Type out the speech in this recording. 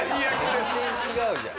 全然違うじゃん。